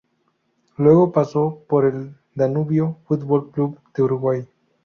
Luego pasó por el Danubio Fútbol Club de Uruguay.